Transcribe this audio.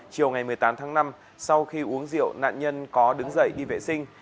chiều ngày một mươi tám tháng năm sau khi uống rượu nạn nhân có đứng dậy đi vệ sinh